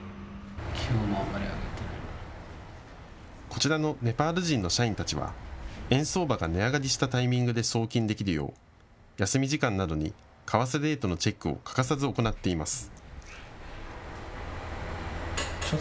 こちらのネパール人の社員たちは円相場が値上がりしたタイミングで送金できるよう休み時間などに為替レートのチェックを欠かさず行っています。